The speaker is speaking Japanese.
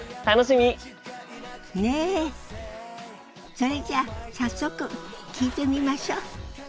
それじゃあ早速聞いてみましょ。